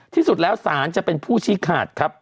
ที่สุดแล้วสารจะเป็นผู้ชี้ขาดครับ